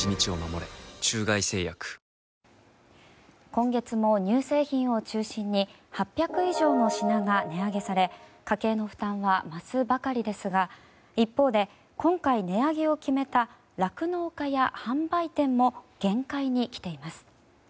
今月も乳製品を中心に８００以上の品が値上げされ家計の負担は増すばかりですが一方で、今回値上げを決めた酪農家や販売店も限界に来ています。